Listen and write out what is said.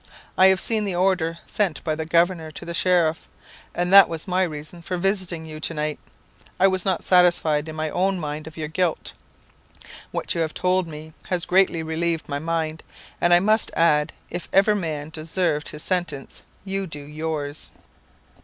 I have seen the order sent by the governor to the sheriff, and that was my reason for visiting you to night. I was not satisfied in my own mind of your guilt. What you have told me has greatly relieved my mind; and I must add, if ever man deserved his sentence, you do yours."